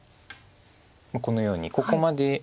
このようにここまで。